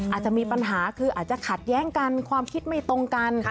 อาจจะมีปัญหาคืออาจจะขัดแย้งกันความคิดไม่ตรงกัน